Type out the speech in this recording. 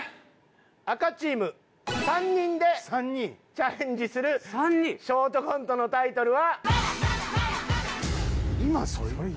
赤チーム３人でチャレンジするショートコントのタイトルは。